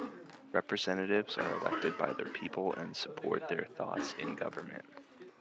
Representatives are elected by the people and support their thoughts in government.